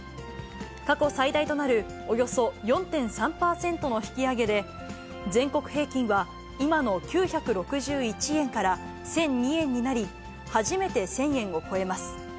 過去最大となる、およそ４．３％の引き上げで、全国平均は今の９６１円から１００２円になり、初めて１０００円を超えます。